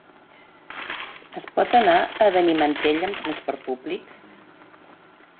Es pot anar a Benimantell amb transport públic?